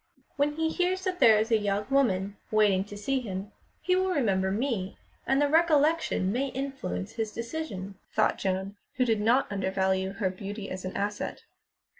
"When he hears that there is a young woman waiting to see him, he will remember me, and the recollection may influence his decision," thought Joan, who did not under value her beauty as an asset.